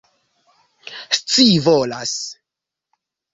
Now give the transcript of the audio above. scivolas